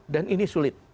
dan ini sulit